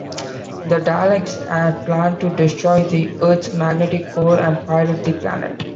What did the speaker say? The Daleks here plan to destroy the Earth's magnetic core and pilot the planet.